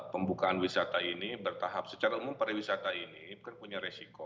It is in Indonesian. pembukaan wisata ini bertahap secara umum pariwisata ini kan punya resiko